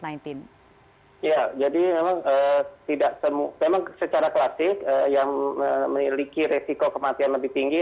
ya jadi memang secara klasik yang memiliki resiko kematian lebih tinggi